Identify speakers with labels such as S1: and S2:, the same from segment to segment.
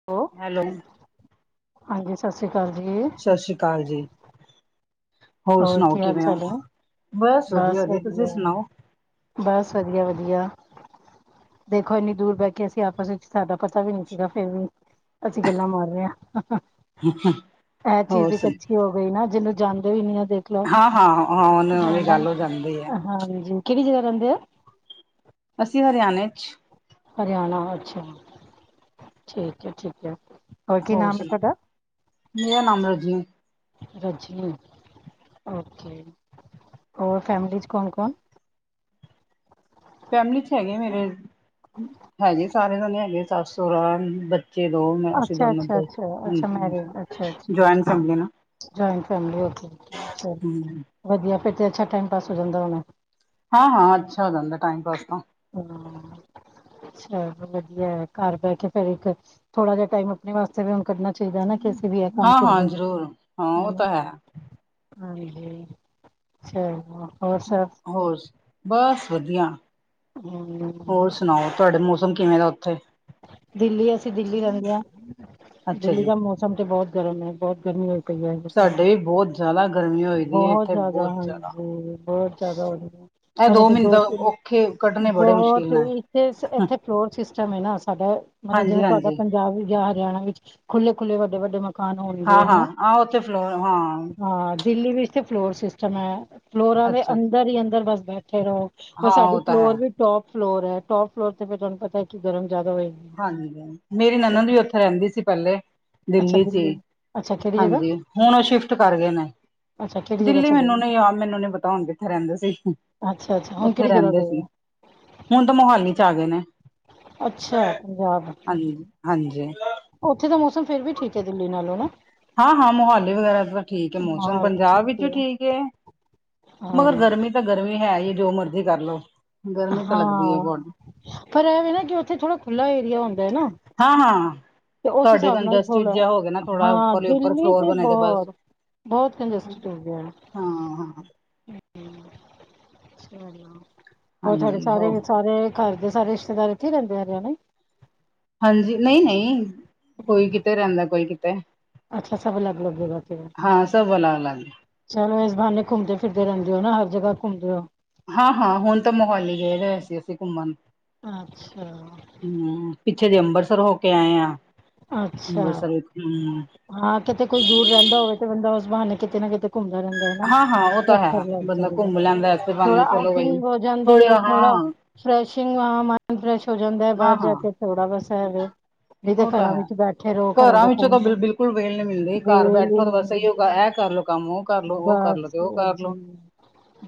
S1: ਔ।
S2: ਹੈਲੋ।
S1: ਹਾਂਜੀ ਸਸ਼੍ਰੀ ਅਕਾਲ ਜੀ।
S2: ਸਸ਼੍ਰੀ ਅਕਾਲ ਜੀ ਹੋਰ ਸੁਣਾਓ
S1: ਕੀ ਹਾਲ
S2: ਕਿਵੇਂ ਹੋ।
S1: ਚਾਲ ਹੈ
S2: ਬਸ ਵਧੀਆ ਵਧੀਆ ਤੁਸੀਂ ਸੁਣਾਓ।
S1: ਬਸ ਵਧੀਆ ਵਧੀਆ ਦੇਖੋ ਇੰਨੀ ਦੂਰ ਬਹਿ ਕੇ ਅਸੀਂ ਆਪਸ ਵਿੱਚ ਸਾਡਾ ਪਤਾ ਵੀ ਨਹੀਂ ਸੀਗਾ ਫਿਰ ਵੀ ਅਸੀਂ ਗੱਲਾਂ ਮਾਰ ਰਹੇ ਹਾਂ। ਐਹ
S2: ਹੋਰ
S1: ਚੀਜ਼ ਇੱਕ
S2: ਸੁਣ
S1: ਅੱਛੀ ਹੋ ਗਈ ਨਾ ਜਿਹਨੂੰ ਜਾਂਦੇ ਵੀ ਨੀ ਆ ਦੇਖ
S2: ਹਾਂ ਹਾਂ ਹਾਂ ਉਹ ਨ ਵਾਲੀ ਗੱਲ ਹੋ ਜਾਂਦੀ ਹੈ।
S1: ਹਾਂਜੀ। ਕੇੜੀ ਜਗਾ ਰੈੰਦੇ ਔ?
S2: ਅਸੀਂ ਹਰਿਆਣੇ 'ਚ।
S1: ਹਰਿਆਣਾ ਅੱਛਾ, ਠੀਕ ਐ ਠੀਕ ਐ।
S2: ਹੋਰ ਸੁਣਾਓ, ਮੇਰਾ ਨਾਮ ਰਜੀ।
S1: ਰਜੀ ਓਕੇ। ਔਰ ਫੈਮਲੀ 'ਚ ਕੌਣ-ਕੌਣ?
S2: ਫੈਮਿਲੀ 'ਚ ਹੈਗੇ ਮੇਰੇ ਹੈਗੇ ਸਾਰੇ ਜਾਣੇ ਹੈਗੇ ਸਸ-ਸੋਰਾ, ਬੱਚ ਬੱਚੇ ਦੋ ਮੈਂ ਅਸੀ
S1: ਅੱਛਾ
S2: ਦੋਨੋ
S1: ਅੱਛਾ
S2: ਦੋ,
S1: ਅੱਛਾ ਅੱਛਾ
S2: ਹਾਂਜੀ, ਜੋਇਨ ਫੈਮਿਲੀ ਏ ਨਾ।
S1: ਜੋਇਨ ਫੈਮਿਲੀ ਉੱਥੇ, ਚਲੋ,
S2: ਹਮ
S1: ਵਧੀਆ ਫੇਰ ਤੇ ਅੱਛਾ ਟਾਈਮ ਪਾਸ ਹੋ ਜਾਂਦਾ ਹੋਣਾ।
S2: ਹਾਂ ਹਾਂ, ਅੱਛਾ ਹੋ ਜਾਂਦਾ ਟਾਈਮ ਪਾਸ ਤਾਂ।
S1: ਹਾਂ, ਅੱਛਾ ਵਧੀਆ ਏ, ਘਰ ਬੈਠੇ ਫਿਰ ਇੱਕ ਥੋੜਾ ਜਿਹਾ ਟਾਈਮ ਅਪਣੇ ਵਾਸਤੇ ਵੀ ਹੁਣ ਕਡਨਾ ਚਾਈਦਾ ਨਾ ਕਿ ਅਸੀ ਵੀ ਹੈ
S2: ਹਾਂ-ਹਾਂ, ਜ਼ਰੂਰ ਹਾਂ ਓ ਤਾਂ ਹੈ।
S1: ਹਾਂਜੀ, ਚਲੋ ਹੋਰ ਸਭ
S2: ਹੋਰ ਸ ਬਸ ਵਧੀਆ।
S1: ਹਮ
S2: ਹੋਰ ਸੁਣਾਓ ਤੁਹਾਡੇ ਮੌਸਮ ਕਿਵੇਂ ਦਾ ਔਥੇ?
S1: ਦਿੱਲੀ ਅਸੀਂ ਦਿੱਲੀ ਰੈੰਦੇ ਹਾਂ।
S2: ਅੱਛਾ
S1: ਦਿੱਲੀ
S2: ਜੀ
S1: ਦਾ ਮੌਸਮ ਤੇ ਬੌਤ ਗਰਮ ਏ ਬੌਤ ਗਰਮੀ ਹੋਈ ਕ ਬੋਲਤ
S2: ਸਾਡੇ ਵੀ ਬਹੁਤ ਜ਼ਿਆਦਾ ਗਰਮੀ ਹੋਈ ਦੀ ਹੈ
S1: ਬਹੋਤ
S2: ਇੱਥੇ
S1: ਜੈਦਾ
S2: ਬਹੁਤ ਜ਼ਿਆਦਾ।
S1: ਹਾਂਜੀ ਬੌਤ ਜੈਦਾ ਹੋਂਦੀ ਐ।
S2: ਇਹ
S1: ਹਜੇ
S2: ਦੋ
S1: ਕੀ
S2: ਮਹੀਨੇ ਤਾਂ
S1: ਦੋ-ਤਿੰਨ
S2: ਔਖੇ ਕੱਢਣੇ ਬੜੇ
S1: ਬਹੌਤ
S2: ਮੁਸ਼ਕਿਲ
S1: ਇੱਕ
S2: ਨਾਲ
S1: ਤੇ ਇਸ ਏਥੇ ਫਲੋਰ ਸਿਸਟਮ ਏਨਾ। ਸਾਡਾ ਅ ਮਤਲਬ
S2: ਹਾਂਜੀ
S1: ਜਿਵੇਂ ਸਾਡਾ
S2: ਹਾਂਜੀ।
S1: ਪੰਜਾਬ ਯਾ ਹਰਿਆਣਾ ਵਿੱਚ ਖੁੱਲੇ-ਖੁੱਲੇ, ਵੱਡੇ-ਵੱਡੇ ਮਕ ਕਾਨ ਹੋਣਗੇ
S2: ਹਾਂ
S1: ਹਨਾ।
S2: ਹਾਂ ਆਹ ਉੱਥੇ ਫਲੋਰ ਹਾਂ
S1: ਹਾਂ ਦਿੱਲੀ ਵਿੱ ਇਥੇ ਫਲੋਰ ਸਿਸਟਮ ਆ ਫਲੋਰਾਂ ਦੇ
S2: ਅੱਛਾ
S1: ਅੰਦਰ ਈ ਅੰਦਰ ਬਸ ਬੈਠੇ ਰਔ। ਔਰ
S2: ਹਾਂ
S1: ਸਾਡੀ
S2: ਉਹ ਤਾਂ ਹੈ।
S1: ਫਲੋਰ ਵੀ ਟੋਪ ਫਲੋਰ ਐ, ਟੋਪ ਫਲੋਰ ਤੇ ਫੇਰ ਤੁਆਨ ਪਤੈ ਕਿ ਗਰਮ ਜੈਦਾ ਹੋਏਗੀ।
S2: ਹਾਂਜੀ, ਮੇਰੀ ਨਨਦ
S1: ਉਹ-
S2: ਵੀ ਔਥੇ ਰੈੰਦੀ ਸੀ ਪੈਲੇ।
S1: ਅੱਛਾ
S2: ਦਿੱਲੀ ਚ ਈ,
S1: ਅੱਛਾ ਕਿਹੜੀ ਜਗ੍ਹਾ
S2: ਹਾਂਜੀ ਹੁਣ ਓਹ ਸ਼ਿਫਟ ਕਰ ਗਏ ਨੇ।
S1: ਅੱਛਾ ਕਿਹੜੀ ਜਗ੍ਹਾ
S2: ਦਿੱਲੀ
S1: ਚਲੇ
S2: ਮੈਨੂੰ
S1: ਗਏ
S2: ਨੀ ਯਾਦ, ਮੈਨੂੰ ਨੀ ਪਤਾ ਹੁਣ ਕਿੱਥੇ ਰੈੰਦੇ ਸੀ।
S1: ਅੱਛਾ- ਅੱਛਾ, ਹੁਣ
S2: ਉੱਥੇ
S1: ਕੇੜੀ ਜਗ੍ਹਾ
S2: ਰਹਿੰਦੇ ਸੀ।
S1: ਗਏ ਐ?
S2: ਹੁਣ ਤਾਂ ਮੋਹਾਲੀ ਚ ਆ ਗੇ ਨੇ।
S1: ਅੱਛਾ, ਪੰਜਾਬ।
S2: ਹਾਂਜ-ਹਾਂਜੀ
S1: ਔਥੇ ਦਾ ਮੌਸਮ ਫੇਰ ਵੀ ਠੀਕ ਐ। ਦਿੱਲੀ ਨਾਲੋਂ ਨਾ
S2: ਹਾਂ- ਹਾਂ ਮੋਹਾਲੀ ਵਗੈਰਾ ਤਾਂ ਠੀਕ ਹੈ। ਮੌਸਮ
S1: ਮਾਹੌਲ
S2: ਪੰਜਾਬ ਵਿੱਚ ਵਿ
S1: ਹੈ
S2: ਠੀਕ ਏ
S1: ਹਾਂ
S2: ਪਰ ਗਰਮੀ ਤਾਂ ਗਰਮੀ ਹੈਈ। ਜੋ ਮਰਜ਼ੀ ਕਰਲੋ
S1: ਹਾਂ, ਪਰ ਐਹ ਵੇਂ ਨਾ ਕਿ ਔਥੇ ਥੋੜਾ ਖੁੱਲਾ ਏਰੀਆ ਹੁੰਦਾ ਏ ਨਾ
S2: ਹਾਂ- ਹਾਂ,
S1: ਤੇ ਉਸ
S2: ਤੁਹਾਡੇ
S1: ਹਿਸਾਬ ਨਾਲ
S2: ਕੰੰਡਸਟਿਡ
S1: ਥੋੜਾ
S2: ਜਾ ਹੋ ਗਿਆ ਨਾ ਥੋੜ੍ਹਾ
S1: ਹਾਂ
S2: ਔਪਰ
S1: ਦਿੱਲੀ
S2: ਫਲੋਰ
S1: ਤੇ
S2: ਬਣੇ ਦੇ
S1: ਬਹੁਤ
S2: ਬਾਇਸੋ,
S1: ਬਹੁਤ
S2: ਹੈ। ਹਾਂ--ਹਾ
S1: ਅਹ ਚਲਾਂ ਹੋਰ ਤੁਡੇ
S2: ਹਾਂਜੀ
S1: ਸਾਰੇ
S2: ਹੋ
S1: ਦੇ ਸਾਰੇ ਘਰਦੇ ਸਾਰੇ ਰਿਸ਼ਤੇਦਾਰ ਇੱਥੇ ਹੀ ਰੈਂਦੇ ਹਰਿਆਣੇ
S2: ਹਾਂਜੀ, ਨਈ- ਨਈ ਕੋਈ ਕਿਤੇ ਰੈਂਦਾ ਕੋਈ ਕਿਤੇ
S1: ਅੱਛਾ- ਅਛਾ ਫੇਰ ਅਲੱਗ- ਅਲਗ ਰੈਤੇ ਔ
S2: ਹਾਂ ਸਭ ਅਲੱਗ ਅਲੱਗ
S1: ਚਲੋ ਇਸ ਬਹਾਨੇ ਘੁੰਮਦੇ ਫਿਰਦੇ ਰਹਿੰਦੇ ਹੋ ਨਾ ਹਰ ਜਗ੍ਹਾ ਘੁੰਮਦੇ ਔ
S2: ਹਾਂ- ਹਾਂ ਹੁਣ ਤਾਂ ਮੋਹਾਲੀ ਗਏ ਦੇ ਸੀ, ਅਸੀਂ ਘੁੰਮਣ
S1: ਅੱਛਾ
S2: ਹਮ, ਪਿੱਛੇ ਜੈ ਅੰਬਰਸਰ ਹੋ ਕੇ ਆਏ ਆ
S1: ਅੱਛਾ, ਹਾਂ ਕਿਤੇ ਕੋਈ ਦੂਰ ਰਹਿੰਦਾ ਹੋਵੇ ਤੇ ਬੰਦਾ ਉਸ ਬਹਾਨੇ ਕਿਤੇ ਨਾ ਕਿਤੇ ਘੁੰਮਦਾ ਰੈਂਦੈਂ ਏ ਨਾ
S2: ਹਾਂ ਹਾਂ ਉਹ ਤਾਂ ਹੈ
S1: ਸਸਤਰ ਲੱਗ
S2: ਬੰਦਾ
S1: ਜਾਂਦਾ ਹੈ।
S2: ਘੁੰਮ ਲੈਂਦਾ ਇਸੇ
S1: ਥੋੜਾ
S2: ਬਹਾਨੇ ਚਲੋ ਬਈ
S1: ਆਊਟਿੰਗ ਹੋ ਜਾਂਦੀ
S2: ਥੋੜੀ
S1: ਏ।
S2: ਹਾਂ
S1: ਥੋੜਾ ਫਰੈਸ਼ਿੰਗ ਆਮ ਫਰੈਸ਼ ਹੋ ਜਾਂਦਾ ਏ। ਬਾਹਰ ਜਾ ਕੇ ਥੋੜਾ ਬਸ ਇਹ ਵੇ ਨਹੀਂ ਤੇ
S2: ਔ ਤਾਂ
S1: ਘਰਾਂ
S2: ਹੈ।
S1: ਵਿੱਚ ਬੈਠੇ ਰਹੋ
S2: ਘਰਾਂ
S1: ਦੇ
S2: ਵਿੱਚੋਂ ਤਾਂ
S1: ਕੰਮ
S2: ਬਿਲਕੁਲ ਵੇਲ ਨਈ ਮਿਲਦੀ, ਘਰ
S1: ਵੇਲ ਹੀ
S2: ਬੈਠੋ ਤਾਂ ਬਸ ਐ ਇ
S1: ਨਹੀਂ
S2: ਯੋ ਐ ਕਰਲੋ ਕੰਮ ਔ ਕਰਲੋ ਔ ਕਰਲੋ
S1: ਬਸ
S2: ਤੇ ਔਹ
S1: ਜੀ
S2: ਕਰਲੋ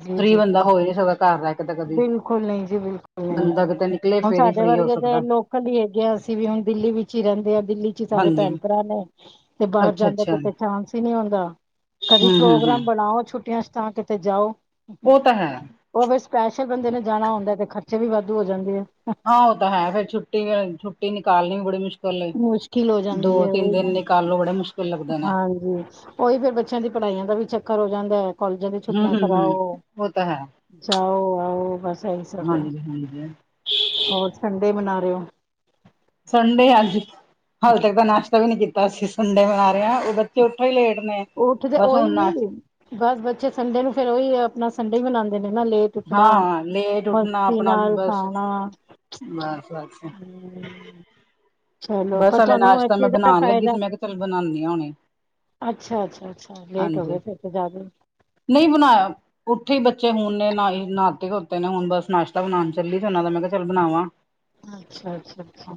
S1: ਜੀ
S2: ਫ੍ਰੀ
S1: ਜੀ
S2: ਬੰਦਾ ਹੋਹੀ ਨਈ ਸਕਦਾ [unintelligible] ਘਰ ਰ ਏ ਤਾਂ ਕਦੀ
S1: ਬਿਲਕੁਲ ਨਹੀਂ ਜੀ ਬਿਲਕੁਲ ਨਹੀਂ
S2: ਬੰਦਾ ਕਿਤੇ ਨਿਕਲੇ ਫੇਰ ਹੀ ਫ੍ਰੀ ਹੋ ਸਕਦਾ
S1: ਸਾਡੀ ਐ ਗੈਸ ਅਸੀਂ ਵੀ ਹੁਣ ਦਿੱਲੀ ਵਿੱਚ ਰੈਂਦੇ ਆ ਦਿੱਲੀ ਚ ਈ ਸਾਰੇ
S2: ਹਾਂਜੀ
S1: ਭੈਣ ਭਰਾ ਨੇ, ਤੇ ਬਾਰ
S2: ਅੱਛਾ
S1: ਜਾਂਦਾ
S2: ਅੱਛਾ
S1: ਕਿਤੇ ਚਾਂਸ ਹੀ ਨਈ ਹੋਂਦਾ ਕਦੀ
S2: ਹੂੰ ਹੂੰ ਹੂੰ
S1: ਪ੍ਰੋਗਰਾਮ ਬਣਾਔ ਛੁੱਟੀਆਂ ਚ ਤਾਂ ਕਿਤੇ ਜਾ ਔ
S2: ਔਹ ਤਾਂ ਹੈ।
S1: ਔਹ ਫੇਰ ਸਪੈਸ਼ਲ ਬੰਦੇ ਨੇ ਜਾਣਾ ਹੁੰਦਾ ਤੇ ਖਰਚੇ ਵੀ ਵਾਧੂ ਹੋ ਜਾਂਦੇ ਆ
S2: ਹਾਂ ਔ ਤਾਂ ਹੈ। ਫੇਰ ਛੁੱਟੀ- ਛੁੱਟੀ ਨਿਕਾਲਣੀ ਬੜੀ ਮੁਸ਼ਕਿਲ ਏ
S1: ਮੁਸ਼ਕਿਲ ਹੋ ਜਾਂਦੀ
S2: ਦੋ
S1: ਹੈ।
S2: ਤਿੰਨ
S1: ਔਹੀ
S2: ਦਿਨ
S1: ਨਾ
S2: ਨਿਕਾਲੋ ਬੜੇ ਮੁਸ਼ਕਿਲ ਲੱਗਦੇ ਨੇ
S1: ਹਾਂਜੀ ਔਹੀ ਫੇਰ ਬੱਚਿਆਂ ਦੀ ਪੜ੍ਹਾਈਆਂ ਦਾ ਵੀ ਚੱਕਰ ਹੋ ਜਾਂਦਾ ਐ ਕੋਲਜਾਂ ਦੀ ਛੁੱਟੀਆਂ ਕਰਾ ਔ-
S2: ਔ ਤਾਂ ਹੈ।
S1: ਜਾ ਔ ਆਔ ਬਸ ਐਹੀ
S2: ਹਾਂਜੀ- ਹਾਂਜੀ-
S1: ਹੋਰ ਸੰਡੇ ਮਨਾ ਰਹੇ ੳ।
S2: ਸੰਡੇ ਅਜ, ਹਲੇ ਤੱਕ ਤਾਂ ਨਾਸ਼ਤਾ ਵੀ ਨੀ ਕੀ ਤਾ, ਅਸੀ ਸੰਡੇ ਮਨਾ ਰਹੇ ਆ, ੳਹ ਬੱਚੇ ਉੱਠੇ ਈ ਲੇਟ ਨੇ।
S1: ਉਠਦੇ,
S2: ਬਸ
S1: ਓਹੀ
S2: ਹੁਣ ਨਾਸ਼
S1: ਨੀ, ਬਸ ਬੱਚੇ ਸੰਡੇ ਨੂੰ ਫੇਰ ੳਹੀ ਅਪਣਾ ਸੰਡੇ ਈ ਮਨਾਦੇ ਨੇ ਨਾ ਲੇਟ ਉਠਨਾ,
S2: ਹਾਂ ਲੇਟ ਉੱਠਣਾ
S1: ਮਸਤੀ
S2: ਆਪਣਾ
S1: ਨਾਲ
S2: ਬਸ
S1: ਖਾਨਾ,
S2: ਬਸ ਬਸ
S1: ਹੂੰ।
S2: ਬਸ, ਹਲੇੇ ਨਾਸਤਾਂ ਮੈਂ
S1: ਦਾ
S2: ਬਨਾਨ ਲੱਗੀ
S1: ਫਾਇਦਾ
S2: ਸੀ, ਮੈਂ ਕਿਹਾ ਚੱਲ ਬਨਾਨੀ ਹਾ ਹੁਣੇ।
S1: ਅੱਛਾ, ਅੱਛਾ, ਅੱਛਾ, ਲੇਟ ਹੋ
S2: ਹਾਂਜੀ
S1: ਗਏ ਫੇਰ ਤੇ ਜ਼ਿਆਦਾ ਈ।
S2: ਨਹੀਂ ਬਨਾਇਆ ਉਠੇ ਈ ਬੱਚੇ ਹੁਣ ਨੇ, ਨਾਏ ਨਾਤੇ ਧੋਤੇ ਨੇ ਹੁਣ ਬਸ ਨਾਸ਼ਤਾ ਬਨਾਨ ਚੱਲੀ ਸੀ ੳਨਾਂ ਦਾ, ਮੈਂ ਕਿਹਾ ਚੱਲ ਬਨਾਵਾਂ
S1: ਅੱਛਾ, ਅੱਛਾ, ਅੱਛਾ।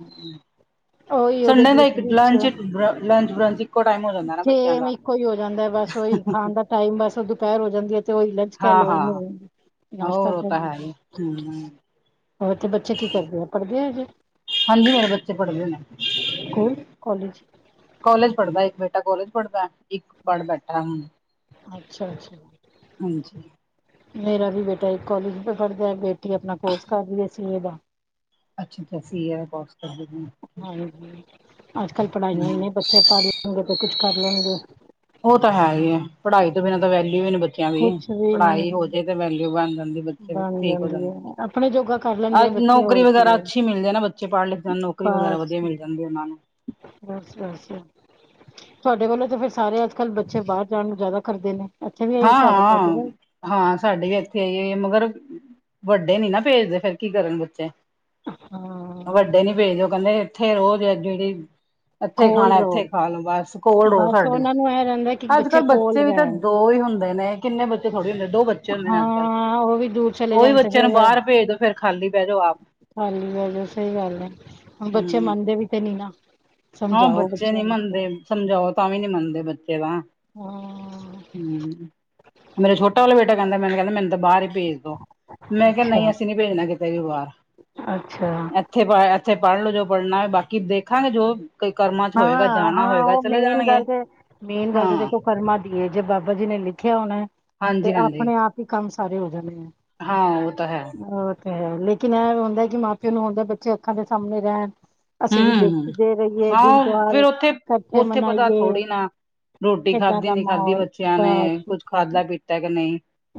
S1: ਉਹੀ ਉਹਦੇ
S2: ਸੰਡੇ ਦਾ
S1: ਗਰੁੱਪ
S2: ਇੱਕ
S1: ਵਿੱਚ
S2: ਲੰਚ-ਬ੍ਰ, ਲੰਚ ਬ੍ਰੰਚ ਇਕ
S1: ਸੇਮ ਇੱਕੋ ਹੀ ਹੋ ਜਾਂਦਾ ਬਸ ੳਹੀ ਖਾਨ ਦਾ ਟਾਇਮ ਬਸ ਦੋਪਹਰ ਹੋ ਜਾਂਦੀ ਏ ਤੇ ੳਹੀ ਲੰਚ ਕਹ ਲੋ ਓਨੂੰ
S2: ਹਾ ਓ ਤਾ ਹੈ ਈ। ਹੂੰ।
S1: ਔਰ ਤੇ ਬੱਚੇ ਕੀ ਕਰਦੇ ਏ? ਪਢ਼ਦੇ ਏ ਹਜੇ।
S2: ਹਾਂਜੀ, ਮੇਰੇ ਬੱਚੇ ਪਢ਼ਦੇ ਨੇ।
S1: School, college?
S2: ਕੋਲੇਜ ਪਢ਼ਦਾ ਇੱਕ ਬੇਟਾ ਕੋਲੇਜ ਪਢ਼ਦਾ, ਇੱਕ ਪਢ਼ ਬੈਠਾ ਹੁਣ।
S1: ਅੱਛਾ ਅੱਛਾ।
S2: ਹਾਂਜੀ।
S1: ਮੇਰਾ ਵੀ ਬੇਟਾ, ਇੱਕ ਕੋਲਜ ਚ ਪਢ਼ਦਾ, ਬੇਟੀ ਅਪਨਾ ਕੋਰਸ ਕਰ ਰੀ ਏ ਸੀਏ ਦਾ।
S2: ਅੱਛ, ਠੀਕ ਏ, ਸੀਏ ਦਾ ਕੋਰਸ ਕਰਦੀ ਪਈ
S1: ਹਾਂਜੀ, ਅੱਜਕਲ ਪਢਾ਼ਈਆਂ ਈ ਨੇ ਬੱਚੇ ਪਢ਼ ਲੈਣਗੇ, ਤੇ ਕੁਛ ਕਰ ਲੈਣਗੇ।
S2: ੳ ਤਾਂ ਹੈ ਈ ਏ। ਪਢਾ਼ਈ ਤੇ ਬਿਨਾਂ ਤਾਂ ਵੈਲਊ ਈ ਨੀ ਬੱਚਿਆਂ ਦੀ।
S1: ਕੁਛ ਵੀ ਨੀ
S2: ਪਢਾ਼ਈ ਹੋਜੇ ਤੇ ਵੈਲਊ ਬਣ ਜਾਂਦੀ, ਬੱਚੇ
S1: ਬਣ
S2: ਠੀਕ ਹੋ
S1: ਜਾਂਦੀ
S2: ਜਾਂਦੇ।
S1: ਹੈ ਆਪਣੇ ਜੋਗਾ ਕਰ ਲੈਂਦੇ ਆ
S2: ਅਹ
S1: ਬੱਚੇ
S2: ਨੌਕਰੀ
S1: ਹੋਰ ਕੀ
S2: ਵਗੈਰਾ
S1: ਹੈ
S2: ਅੱਛੀ ਮਿਲ ਜੇ ਨਾ ਬੱਚੇ ਪਢ਼ ਲਿਖ ਜਾਨ, ਨੌਕਰੀ ਵਗੈਰਾ
S1: ਬਸ
S2: ਵਧੀਆ ਮਿਲ ਜਾਂਦੀ ੳਨਾਂ ਨੂੰ।
S1: ਬਸ, ਬਸ। ਤੁਹਾਡੇ ਵੱਲੋਂ ਤਾ ਫੇਰ ਸਾਰੇ ਅੱਜ ਕਲ ਬੱਚੇ ਬਾਹਰ ਜਾਨ ਨੂੰ ਜ਼ਿਆਦਾ ਕਰਦੇ ਨੇ। ਏਥੇ ਵੀ ਐਈ
S2: ਹਾਂ
S1: ਹਿਸਾਬ ਕਰਦੇ
S2: ਹਾਂ
S1: ਨੇ।
S2: ਹਾਂ, ਸਾਡੇ ਵੀ ਏਥੇ ਐਈ ਏ, ਮਗਰ ਵੱਡੇ ਨੀ ਨਾ ਭੇਜਦੇ, ਫੇਰ ਕੀ ਕਰਨ ਬੱਚੇ?
S1: ਹਾਂ
S2: ਵੱਡੇ ਨੀ ਭੇਜਦੇ, ਓ ਕਹੰਦੇ, ਏਥੇ ਰਵੋ ਤੇ ਏ ਜੇੜੀ ਏਥੇ
S1: ਕੋਲ
S2: ਖਾਨਾ,
S1: ਰਹੋ
S2: ਏਥੇ ਖਾ ਲੋ, ਬਸ ਕੋਲ ਰਹੋ
S1: ਬਸ
S2: ਸਾਡੇ।
S1: ਉਹਨਾਂ ਨੂੰ ਇਹ ਰਹਿੰਦਾ ਕਿ
S2: ਅੱਜ ਕਲ
S1: ਕੋਲ
S2: ਬੱਚੇ ਵੀ ਤਾਂ
S1: ਰਹਿਣ
S2: ਦੋ ਹੀ ਹੁ ਹੁੰਦੇ ਨੇ ਕਿੰਨੇ ਬੱਚੇ ਥੋੜੇ ਹੁੰਦੇ, ਦੋ ਬੱਚੇ ਹੁੰਦੇ ਨੇ ਅੱਜਕਲ।
S1: ਹਾਂ ਉਹ ਵੀ ਦੂਰ ਚਲੇ
S2: ੳਹੀ
S1: ਜਾਣ ਤੇ
S2: ਬੱਚਿਆਂ ਨੂੰ
S1: ਫਿਰ
S2: ਬਾਹਰ ਭੇਜ ਫੇਰ ਖਾਲੀ ਬੈਜੋ ਆਪ।
S1: ਖਾਲੀ ਰਹ ਜੋ, ਸਹੀ ਗੱਲ ਏ। ਹੁਣ ਬੱਚੇ
S2: ਹਮ
S1: ਮੰਨਦੇ ਵੀ ਤੇ ਨੀ ਨਾ।
S2: ਹਾਂ,
S1: ਸਮਝਾਓ
S2: ਬੱਚੇ ਨੀ
S1: ਬੱਚਿਆਂ ਨੂੰ ਤੇ
S2: ਮੰਨਦੇ। ਸਮਝਾਓ ਤਾਂ ਵੀ ਨੀ ਮੰਨਦੇ ਬੱਚੇ ਤਾਂ।
S1: ਹਾਂ।
S2: ਹੂੰ, ਮੇਰਾ ਛੋਟਾ ਵਾਲਾ ਬੇਟਾ ਕਹੰਦਾ, ਮੈਨੂੰ ਕਹੰਦਾ ਮੈਨੂੰ ਤਾਂ ਬਾਹਰ ਹੀ ਭੇਜ ਦੋ। ਮੈਂ ਕਿਹਾ, ਨਈ
S1: ਅੱਛਾ
S2: ਅਸੀ ਨੀ ਭੇਜਨਾ ਕਿਤੇ ਵੀ ਬਾਹਰ।
S1: ਅੱਛਾ।
S2: ਏਥੇ ਪ ਏਥੇ ਪਢ਼ ਲੋ ਜੋ ਪਢ਼ਨਾ ਐ, ਬਾਕੀ ਦੇਖਾਂਗੇ ਜੋ ਕੋਈ ਕਰਮਾਂ ਚ ਹੋਏਗਾ
S1: ਹਾਂ
S2: ਜਾਣਾ ਹੋਏਗਾ
S1: ਹਾਂ ੳ
S2: ਚਲੇ
S1: ਮੇਨ
S2: ਜਾਣਗੇ
S1: ਗੱਲ ਤੇ, ਮੇਨ ਗੱਲ
S2: ਹਾਂ
S1: ਤੇ ਦੇਖੋ ਕਰਮਾ ਦੀ ਏ, ਜੇ ਬਾਬਾ ਜੀ ਨੇ ਲਿਖਿਆ ਹੋਨਾ ਤੇ
S2: ਹਾਂਜੀ ਹਾਂਜੀ
S1: ਅਪਨੇ ਆਪ ਈ ਕੰਮ ਸਾਰੇ ਹੋ ਜਾਣੇ ਨੇ,
S2: ਹਾਂ ਉਹ ਤਾਂ ਹੈ
S1: ਹੋਰ ਏ ਲੇਕਿਨ ਇਹ ਹੁੰਦਾ ਏ ਕਿ ਮਾਂ-ਪਿਓ ਨੂੰ ਹੁੰਦਾ ਬੱਚੇ ਅੱਖਾਂ ਦੇ ਸਾਹਮਣੇ ਰਹਣ। ਅਸੀ ਵੀ ਦੇਖੀ ਦੇ ਰਹੀਏ, ਦਿਲ
S2: ਫੇਰ ਉੱਥੇ ਉੱਥੇ ਪਤਾ ਥੋੜ੍ਹੀ ਨਾ ਰੋਟੀ
S1: ਕਿੱਦਾਂ
S2: ਖਾਧੀ
S1: ਦਾ
S2: ਨੀ ਖਾਧੀ
S1: ਮਾਹੌਲ
S2: ਬੱਚਿਆਂ ਨੇ
S1: ਬਸ
S2: ਕੁਛ ਖਾਧਾ ਪੀਤਾ ਕਿ ਨਹੀਂ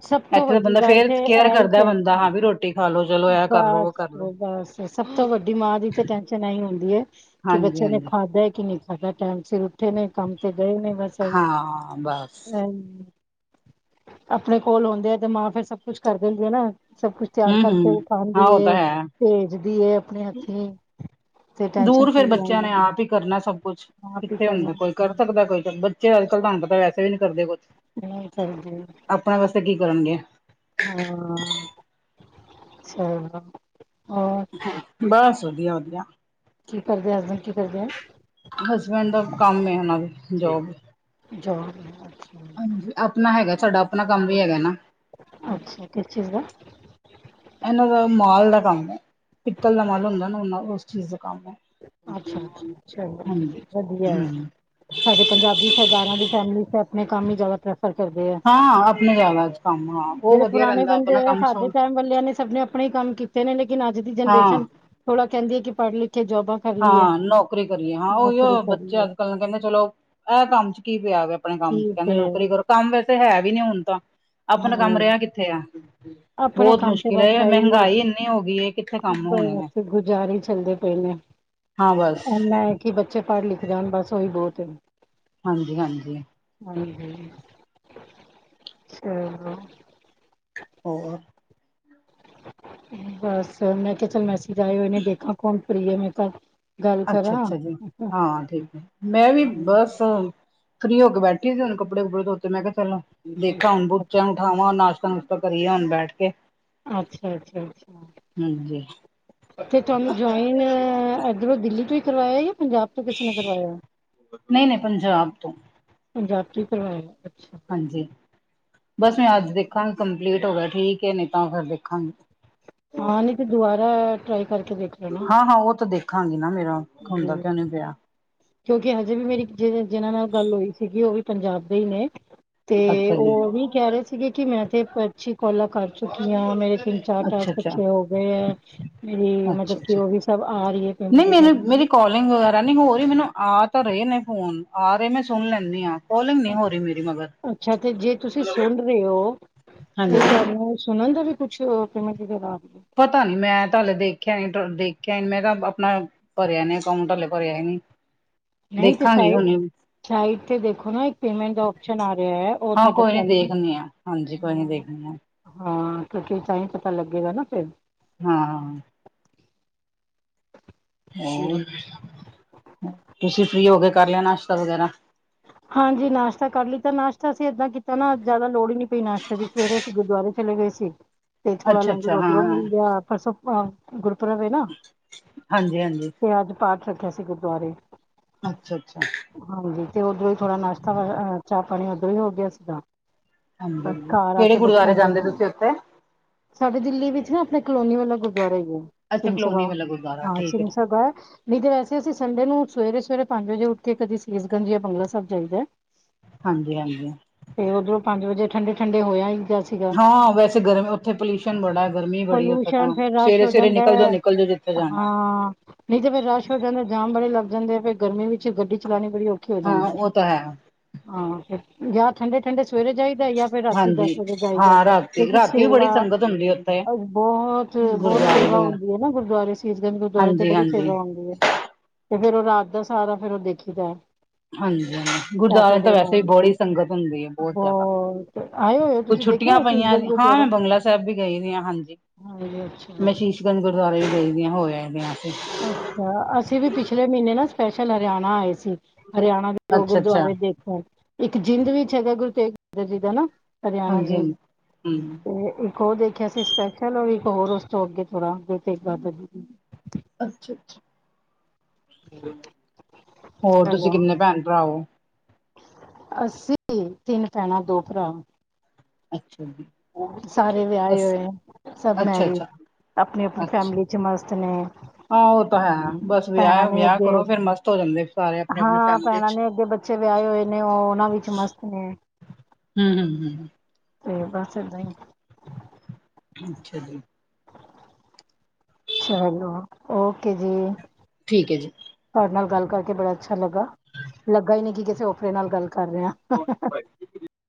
S1: ਸਭ ਤੋਂ
S2: ਇੱਥੇ ਤਾਂ
S1: ਵੱਡੀ
S2: ਬੰਦਾ
S1: ਗੱਲ
S2: ਫੇਰ
S1: ਤੇ
S2: ਕੇਅਰ
S1: ਇਹ ਹੀ
S2: ਕਰਦਾ ਬੰਦਾ ਹਾਂ
S1: ਟੈਨਸ਼ਨ
S2: ਬਈ ਰੋਟੀ ਖਾ ਲੋ ਚਲੋ ਐ ਕਰ ਲੋ।
S1: ਬਸ ਬਸ ਸਭ ਤੋਂ ਵੱਡੀ ਮਾਂ ਦੀ ਤੇ ਟੈਂਨ ਸਨ ਐਹੀ ਹੁੰਦੀ ਏ ਕਿ
S2: ਹਾਂਜੀ
S1: ਬੱਚਿਆਂ ਨੇ
S2: ਹਾਂਜੀ
S1: ਖਾਧਾ ਐ ਕਿ ਨਹੀਂ ਖਾਧਾ ਟੈਮ ਸਿਰ ਗਏ ਨੇ ਕੰਮ ਤੇ ਗਏ ਨੇ ਬਸ ਇਹੀ
S2: ਹਾਂ ਬਸ
S1: [unintelligible] ਆਪਣੇ ਕੋਲ ਹੁੰਦੇ ਆ ਤੇ ਮਾਂ ਫੇਰ ਸਭ ਕੁਛ ਕਰ ਦਿੰਦੀ ਆ ਨਾ ਸਭ ਕੁਛ ਤਿਆਰ
S2: ਹੂੰ ਹੂੰ
S1: ਕਰਕੇ ਉਹ
S2: ਹਾਂ ਉਹ ਤਾਂ
S1: ਪਾਂਦੀਏ
S2: ਹੈ
S1: ਭੇਜਦੀ ਏ ਆਪਣੇ ਹੱਥੀਂ ਤੇ ਟੈਨਸ਼ਨ
S2: ਦੂਰ ਫੇਰ
S1: ਫਰੀ
S2: ਬੱਚਿਆਂ
S1: ਰਹਿੰਦੇ
S2: ਨੇ ਆਪ ਹੀ ਕਰਨਾ ਸਭ ਕੁਛ
S1: ਆਪ ਹੀ
S2: ਕਿੱਥੇ
S1: ਕਰਨਾ
S2: ਹੁੰਦਾ ਕੋਈ ਕਰ ਸਕਦਾ ਕੋਈ ਬੱ ਤੇ ਅੱਜ ਕੱਲ [unintelligible] ਤਾਂ ਵੈਸੇ ਵੀ ਨਹੀਂ ਕਰਦੇ ਕੁਛ
S1: ਨਹੀਂ ਕਰਦੇ
S2: ਆਪਣੇ ਵਾਸਤੇ ਕੀ ਕਰਨਗੇ
S1: ਹਾਂ ਚਲੋ ਹੋਰ
S2: ਬਸ ਵਧੀਆ, ਵਧੀਆ।
S1: ਕੀ ਕਰਦੇ ਆ ਹਸਬੈਂਡ ਕੀ ਕਰਦੇ ਆ?
S2: ਹਸਬੈਂਡ ਦਾ ਕੰਮ ਏ ਹਨਾ ਵੇ
S1: ਠੀਕ [unintelligible]
S2: ਹਾਂਜੀ ਆਪਣਾ ਹੈਗਾ ਸਾਡਾ ਆਪਣਾ ਕੰਮ ਵੀ ਹੈਗਾ ਨਾ
S1: ਅੱਛਾ ਕਿਸ ਚੀਜ਼ ਦਾ?
S2: ਇਹਨਾਂ ਦਾ ਮਾਲ ਦਾ ਕੰਮ ਏ ਪਿੱਤਲ ਦਾ ਮਾਲ ਹੁੰਦਾ ਨਾ ਉਹਨਾਂ ਉਸ ਚੀਜ਼ ਦਾ ਕੰਮ ਏ
S1: ਅੱਛਾ, ਅੱਛਾ ਚਲੋ ਵਧੀਆ ਐ
S2: ਹੂੰ
S1: ਸਾਡੇ ਪੰਜਾਬੀ ਸਰਦਾਰਾਂ ਦੀ ਫੈਮਿਲੀ ਚ ਤਾਂ ਆਪਣੇ ਕੰਮ ਹੀ ਜ਼ਿਆਦਾ ਪਰੈ ਫਰ ਕਰਦੇ ਐ
S2: ਹਾਂ ਆਪਣੇ ਜ਼ਿਆਦਾ ਕੰਮ ਹਾਂ ਉਹ
S1: ਜੇਹੜੇ
S2: ਵਧੀਆ
S1: ਪੁਰਾਣੇ
S2: ਰਹਿੰਦਾ
S1: ਬੰਦੇ
S2: ਆਪਣਾ
S1: ਐ
S2: ਕੰਮ ਸੋ
S1: ਸਾਡੇ ਟੈਮ ਵਾਲੇਆਂ ਨੇ ਸਬ ਨੇ ਆਪਣੇ ਹੀ ਕੰਮ ਕੀਤ ਤੇ ਨੇ ਲੇਕਿਨ ਅੱਜ ਦੀ
S2: ਹਾਂ
S1: ਜਨਰੇਸ਼ਨ ਥੋੜਾ ਕਹਿੰਦੀ ਐ ਕਿ ਪੜ ਲਿਖ ਕੇ ਜੋਬਾਂ ਕਰ ਲਈਏ
S2: ਹਾਂ ਨੌਕਰੀ ਕਰੀਏ ਹਾਂ ਉਹੀ ਐ
S1: ਨੌਕਰੀ ਕਰ
S2: ਬੱਚੇ
S1: ਲਈਏ
S2: ਅੱਜ-ਕੱਲ ਕਹਿੰਦੇ ਚਲੋ ਐ ਕੰਮ ਚ ਕੀ ਪਿਆ ਵੇ ਆਪਣੇ ਕੰਮ ਚ
S1: ਕੀ
S2: ਕਹਿੰਦੇ
S1: ਫਿਰ
S2: ਨੌਕਰੀ ਕਰੋ ਕੰਮ ਵੈਸੇ ਹੈ ਵੀ ਨੀ ਹੁਣ ਤਾਂ
S1: ਹਾਂ
S2: ਆਪਣਾ ਕੰਮ ਰਿਹਾ ਕਿੱਥੇ ਐ।
S1: ਆਪਣੇ
S2: ਬਹੁਤ
S1: ਕੰਮ ਤੇ
S2: ਮੁਸ਼ਕਿਲ
S1: ਬਸ
S2: ਐ
S1: ਇਹੀ ਹੈ
S2: ਮਹਿੰਗਾਈ ਇੰਨੀ ਹੋਗੀ ਏ ਕਿੱਥੇ ਕੰਮ ਹੋਣੇ ਨੇ
S1: [unintelligible]
S2: ਹਾਂ ਬਸ
S1: ਐਨਾ ਐ ਕਿ ਬੱਚੇ ਪੜ ਲਿਖ ਜਾਣ ਬਸ ਉਹੀ ਬਹੁਤ ਏ
S2: ਹਾਂਜੀ, ਹਾਂਜੀ।
S1: ਹਾਂਜੀ [unintelligible]
S2: ਹੋਰ
S1: ਬਸ ਮੈਂ ਕਿਹਾ ਚੱਲ ਮੈਸੇਜ ਆਏ ਹੋਏ ਨੇ ਦੇਖਾ ਕੌਣ ਫ੍ਰੀ ਏ ਮੈਂ ਕ
S2: ਅੱਛਾ, ਅੱਛਾ ਜੀ ਹਾਂ ਠੀਕ ਐ ਮੈਂ ਵੀ ਬਸ ਫ੍ਰੀ ਹੋ ਕੇ ਬੈਠੀ ਸੀ ਹੁਣ ਕੱਪੜੇ ਕੁਪੜੇ ਧੋਤੇ ਮੈਂ ਕਿਹਾ ਚਲਾਂ ਦੇਖਾਂ ਹੁਣ ਬੁਚਾ ਨੂੰ ਬਠਾਵਾਂ ਨਾਸ਼ਤਾ ਨੁਸ਼ਤਾ ਕਰੀਏ ਹੁਣ ਬੈਠ ਕੇ।
S1: ਅੱਛਾ, ਅੱਛਾ,
S2: ਹਾਂਜੀ
S1: ਅੱਛਾ ਤੇ ਤੂਹਾਨੂੰ ਜੋਆ ਈਨ ਐਧਰੋਂ ਦਿੱਲੀ ਚੋ ਈ ਕਰਵਾਇਆ ਜਾਂ ਪੰਜਾਬ ਤੋ ਕਿਸੀ ਨੇ ਕਰਵਾਇਆ
S2: ਨਹੀਂ ਨਹੀਂ ਪੰਜਾਬ ਤੋਂ
S1: ਪੰਜਾਬ ਤੋਂ ਈ ਕਰਵਾਇਆ ਅੱਛਾ।
S2: ਹਾਂਜੀ ਬਸ ਮੈਂ ਅੱਜ ਦੇਖਾਂਗੀ ਕੰਪਲੀਟ ਹੋ ਗਿਆ ਠੀਕ ਐ ਨਹੀਂ ਤਾਂ ਫੇਰ ਦੇਖਾਂਗੀ।
S1: ਹਾਂ ਨਹੀਂ ਫੇਰ ਦੁਬਾਰਾ ਟ੍ਰਾਈ ਕਰਕੇ ਦੇਖ ਲੈਣਾ।
S2: ਹਾਂ, ਹਾਂ ਉਹ ਤਾਂ ਦੇਖਾਂਗੀ ਨਾ ਮੇਰਾ ਹੁੰਦਾ ਕਿਉਂ ਨੀ
S1: [unintelligible]
S2: ਪਿਆ
S1: ਕਿਉਂਕਿ ਹਜੇ ਵੀ ਮੇਰੀ ਜਿ ਜਿਨਾਂ ਨਾਲ ਗੱਲ ਹੋਈ ਸੀਗੀ ਉਹ ਵੀ ਪੰਜਾਬ ਦੇ ਹੀ ਨੇ। ਤੇ
S2: ਅੱਛਾ ਜੀ
S1: ਉਹ ਵੀ ਕਹਿ ਰਹੇ ਸੀਗੇ ਕਿ ਮੈਂ ਤੇ ਪੱਚੀ ਕੋਲਾਂ ਕਰ ਚੁੱਕੀ ਆ ਮੇਰੇ ਤਿੰਨ ਚਾ
S2: ਅੱਛਾ ਅੱਛਾ
S1: [unintelligible] ਹੋ ਗਏ ਐ। ਮਤਲਬ
S2: ਅੱਛਾ
S1: ਕਿ
S2: ਅੱਛਾ
S1: ਉਹ ਵੀ ਸਭ ਆ ਰਹੀ ਏ
S2: ਨਹੀਂ ਮੈਨੂੰ
S1: [unintelligible]
S2: ਮੇਰੀ ਕਾਲਿੰਗ ਵਗੈਰਾ ਨੀ ਹੋ ਰਹੀ ਮੈਨੂੰ ਆ ਤਾਂ ਰਹੇ ਨੇ ਫੋਨ, ਆ ਰਹੇ ਮੈਂ ਸੁਣ ਲੈਨੀ ਆ।
S1: ਅੱਛਾ ਤੇ ਜੇ ਤੁਸੀ ਸੁਨ ਰੇ ਓ
S2: ਹਾਂਜੀ
S1: ਤੇ ਤੁਹਾਨੂੰ ਸੁਣਨ ਦਾ ਵੀ ਕੁਛ, ਕਿਵੇਂ [unintelligible]
S2: ਪਤਾ ਨੀ ਮੈਂ ਤਾਂ ਹਲੇ ਦੇਖਿਆ ਨੀ, ਦੇਖਿਆ ਨੀ ਮੈਂ ਕਿਆ ਅਪਨਾ ਭਰਿਆ ਨੀ ਅਕਾਉਂਟ ਹਲੇ ਭਰਿਆ ਈ ਨੀ, ਦੇਖਾਗੀ ਹੁਨੇ।
S1: ਹਾਂ ਇੱਥੇ ਦੇਖੋ ਨਾ ਇੱਕ ਪੇਮੈਂਟ ਆਪਸ਼ਨ ਆ ਰਿਹਾ ਉਹ
S2: ਹਾਂ
S1: ਸਾਡੇ
S2: ਕੋਈ ਨੀ
S1: ਕੋਲ,
S2: ਦੇਖਣੀ ਆ ਹਾਂਜੀ ਕੋਈ ਨੀ
S1: ਹਾਂ।
S2: ਦੇਖਣੀ ਆ
S1: ਹਾਂ ਕਿਉਂਕਿ ਤਾਂਈ ਪਤਾ ਲੱਗੇਗਾ ਨਾ ਫੇਰ।
S2: ਹਾਂ। ਤੁਸੀ ਫਰੀ ਹੋਗੇ ਕਰ ਲਿਆ ਨਾਸ਼ਤਾ ਵਗੈਰਾ?
S1: ਹਾਂਜੀ ਨਾਸ਼ਤਾ ਕਾਰ ਲੀਤਾ ਨਾਸ਼ਤਾ ਅਸੀ ਐਦਾਂ ਕੀਤਾ ਨਾ ਅੱਜ ਜਾਦਾ ਲੋੜ ਈ ਨੀ ਪਈ ਨਾਸ਼ਤੇ ਦੀ। ਸਵੇਰੇ ਅਸੀ ਗੁਰਦਆਰੇ ਚਲੇ ਗਏ ਸੀ, ਤੇ ਥੋੜਾ
S2: ਅੱਛਾ-ਅੱਛਾ
S1: ਲੰਗਰ ਓਦਰੋਂ
S2: ਹਾਂ,
S1: ਮਿਲ ਗਿਆ ਪਰਸੋਂ ਅ ਗੁਰਪੁਰਬ ਏ ਨਾ,
S2: ਹਾਂਜੀ-ਹਾਂਜੀ,
S1: ਤੇ ਅੱਜ ਪਾਠ ਰੱਖਿਆ ਸੀ ਗੁਰਦੁਆਰੇ।
S2: ਅੱਛਾ-ਅੱਛਾ।
S1: ਹਾਂਜੀ ਤੇ ਓਦਰੋਂ ਈ ਥੋੜਾ ਨਾਸ਼ਤਾ, ਅ ਅ ਚਾਅ ਪਾਣੀ ਓਦਰੋਂ ਈ ਹੋ ਗਿਆ ਸੀਗਾ। ਬੱਸ
S2: ਹਾਂਜੀ-ਹਾਂਜੀ।
S1: ਘਰ ਆ
S2: ਕਿਹੜੇ
S1: ਕੇ
S2: ਗੁਰਦੁਆਰੇ
S1: ਬੱਚਿਆਂ
S2: ਜਾਂਦੇ
S1: [unintelligible]
S2: ਤੁਸੀਂ ਉੱਥੇ?
S1: ਸਾਡੇ ਦਿੱਲੀ ਵਿੱਚ ਨਾ ਅਪਨੇ ਕਲੋਨੀ ਵਾਲਾ ਗੁਰਦੁਆਰਾ ਈ ਐ,
S2: ਅੱਛਾ
S1: ਸਿੰਘ ਸਭਾ,
S2: ਕਲੋਨੀ ਵਾਲਾ ਗੁਰਦੁਆਰਾ
S1: ਹਾਂ
S2: ਠੀਕ ਹੈ,
S1: ਸਿੰਘ ਸਭਾ। ਨਹੀ ਤੇ ਵੈਸੇ ਅਸੀ ਸੰਡੇ ਨੂੰ ਸਵੇਰੇ-ਸਵੇਰੇ ਪੰਜ ਵਜੇ ਉਠ ਕੇ ਕਦੀ ਸੀਸਗੰਜ ਯਾ ਬੰਗਲਾ ਸੈਬ ਜਾਈਦੈ।
S2: ਹਾਂਜੀ-ਹਾਂਜੀ।
S1: ਤੇ ਓਦਰੋਂ ਪੰਜ ਵਜੇ ਠੰਡੇ-ਠੰਡੇ ਹੋ ਆਈ ਦੈ।
S2: ਹਾਂ ਵੈਸੇ ਗਰਮ ਓਥੇ ਪੋਲਿਊਸ਼ਨ ਬੜਾ ਗਰਮੀ ਬੜੀ ਏ ਓਥੇ
S1: ਪੋਲਿਊਸ਼ਨ
S2: ਤਾਂ।
S1: ਫੇਰ ਰਸ਼ ਹੋ
S2: ਸਵੇਰੇ-ਸਵੇਰੇ
S1: ਜਾਂਦਾ
S2: ਨਿਕਲ ਜੋ ਨਿਕਲ ਜੋ ਜਿੱਥੇ ਜਾਣੈ।
S1: ਨਈ ਤੇ ਫੇਰ ਰਾਸ਼ ਹੋ ਜਾਂਦੈ ਜਾਮ ਬੜੇ ਲੱਗ ਜਾਂਦੇ ਐ ਫਿਰ ਗਰਮੀ ਵਿੱਚ ਗੱਡੀ ਚਲਾਨੀ ਬੜੀ ਔਖੀ ਹੋ ਜਾਂਦੀ
S2: ਹਾਂ ਉਹ ਤਾ ਹੈ।
S1: ਹਾਂ ਫੇਰ, ਜਾਂ ਠੰਡੇ-ਠੰਡੇ ਚ ਸਵੇਰੇ ਜਾਈਦੈ ਯਾ ਫੇਰ ਰਾਤੀ ਦਸ
S2: ਹਾਂਜੀ
S1: ਵਜੇ ਜਾਈਦੈ,
S2: ਹਾਂ ਰਾਤੀ
S1: ਕਿਉਂਕਿ
S2: ਰਾਤੀ ਵੀ
S1: ਸੇਵਾ,
S2: ਬੜੀ ਸੰਗਤ ਹੁੰਦੀ ਉੱਥੇ।
S1: ਬੋਹਤ ਬੋਤ
S2: ਗੁਰਦੁਆਰੇ
S1: ਸੇਵਾ
S2: ਵਗੈਰਾ
S1: ਹੁੰਦੀ ਏ ਨਾ ਗੁਰਦੁਆਰੇ ਸੀਸਗੰਜ ਗੁਰਦੁਆਰੇ ਤੇ ਬੜੀ
S2: ਹਾਂਜੀ-ਹਾਂਜੀ।
S1: ਸੇਵਾ ਹੁੰਦੀ ਏ। ਤੇ ਫੇਰ ਉਹ ਰਾਤ ਦਾ ਸਾਰਾ ਫੇਰ ਉਹ ਦੇਖੀ ਦਾ।
S2: ਹਾਂਜੀ ਗੁਰਦੁਆਰਿਆਂ ਤਾਂ ਵੈਸੇ ਵੀ
S1: ਨਾਈਟ
S2: ਬਹੁੜੀ ਸੰਗਤ ਹੁੰਦੀ ਹੈ ਬਹੁਤ ਜ਼ਿਆਦਾ।
S1: ਆਏ ਹੋਏ ਹੋ
S2: ਕੁਛ
S1: ਤੁਸੀਂ ਦੇਖਿਆ
S2: ਛੁੱਟੀਆਂ
S1: ਹੋਇਆ
S2: ਪਈਆਂ
S1: ਸੀਸਗੰਜ
S2: ਹਾਂ ਮੈਂ ਬੰਗਲਾ ਸਾਹਿਬ ਵੀ ਗਈ ਦੀ ਆ ਹਾਂਜੀ।
S1: ਹਾਂ ਅੱਛਾ।
S2: ਮੈਂ ਸ਼ੀਸ਼ਗੰਜ ਗੁਰਦੁਆਰੇ ਵੀ ਗਈ ਦੀ ਆ ਹੋ ਆਏ ਦੇ ਆ ਅਸੀਂ।
S1: ਅੱਛਾ‌ ਅਸੀਂ ਵੀ ਪਿਛਲੇ ਮਹੀਨੇ ਨਾ ਸਪੈਸ਼ਲ ਹਰਿਆਣਾ ਆਏ ਸੀ, ਹਰਿਆਣਾ ਦੋ
S2: ਅੱਛਾ ਅੱਛਾ
S1: ਗੁਰਦੁਆਰੇ ਦੇਖਣ। ਇੱਕ ਜਿੰਦ ਵਿੱਚ ਹੈਗਾ ਗੁਰੂ ਤੇਗ ਬਹਾਦਰ ਜੀ ਦਾ ਹਨਾ। ਹਰਿਆਣਾ
S2: ਹਾਂਜੀ
S1: ਜੀ,
S2: ਹਾਂਜੀ ਹੂੰ
S1: ਤੇ ਇੱਕ ਉਹ ਦੇਖਿਆ ਸੀ ਸਪੈਸ਼ਲ ਔਰ ਇੱਕ ਹੋਰ ਉਸ ਤੋਂ ਅੱਗੇ ਥੋੜਾ ਗੁਰੂ ਤੇਗ ਬਹਾਦਰ ਜੀ।
S2: ਅੱਛਾ-ਅੱਛਾ ਹੋਰ ਤੁਸੀਂ ਕਿੰਨੇ ਭੈਣ-ਭਰਾ ਓ?
S1: ਅਸੀ ਤਿੰਨ ਭੈਣਾਂ, ਦੋ ਭਰਾ।
S2: ਅੱਛਾ ਜੀ।
S1: ਸਾਰੇ ਵਿਆਹੇ
S2: ਅਸ
S1: ਹੋਏ ਆ ਸਭ
S2: ਅੱਛਾ
S1: ਮੈਰਿਡ,
S2: ਅੱਛਾ
S1: ਆਪਣੀ-ਆਪਣੀ ਫੈਮਲੀ
S2: ਅੱਛਾ
S1: ਵਿੱਚ ਮਸਤ ਨੇ।
S2: ਹਾਂ ਉਹ ਤਾਂ ਹੈ
S1: ਹੂੰ
S2: ਬਸ
S1: ਭੈਣਾਂ
S2: ਵਿਆਹ
S1: ਨੇ
S2: ਵਿਆਹ
S1: ਅੱਗੇ,
S2: ਕਰੋ ਫੇਰ ਮਸਤ ਹੋ ਜਾਂਦੇ ਸਾਰੇ ਆਪਣੇ ਆਪਣੇ
S1: ਹਾਂ
S2: ਫੈਮਿਲੀ
S1: ਭੈਣਾਂ
S2: ਚ
S1: ਨੇ ਅੱਗੇ ਬੱ ਬੱਚੇ ਵਿਆਏ ਹੋਏ ਨੇ ਉਹ ਉਹਨਾਂ ਵਿੱਚ ਮਸਤ ਨੇ।
S2: ਹੂੰ ਹੂੰ ਹੂੰ।
S1: ਤੇ ਬਸ ਏਦਾਂ ਈ।
S2: ਅੱਛਾ ਜੀ।
S1: ਚਲੋ ਓਕੇ ਜੀ।
S2: ਠੀਕ ਐ ਜੀ।
S1: ਤਾਡੇ ਨਾਲ ਗੱਲ ਕਰਕੇ ਬੜਾ ਅੱਛਾ ਲੱਗਾ। ਲੱਗਾ ਈ ਨੀ ਕਿ ਕਿਸੇ ਔਪਰੇ ਨਾਲ ਗੱਲ ਕਰ ਰਹੇ ਆ।